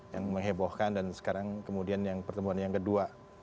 yang menghebohkan dan sekarang kemudian yang pertemuan yang kedua